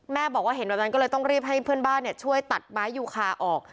บอกว่าเห็นแบบนั้นก็เลยต้องรีบให้เพื่อนบ้านช่วยตัดไม้ยูคาออก